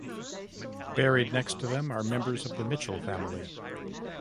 Buried next to them are members of the Mitchell family.